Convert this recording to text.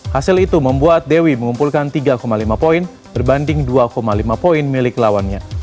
hasil itu membuat dewi mengumpulkan tiga lima poin berbanding dua lima poin milik lawannya